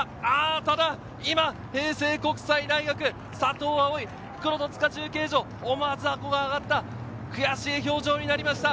ただ平成国際大・佐藤碧、戸塚中継所、思わずあごが上がった悔しい表情になりました。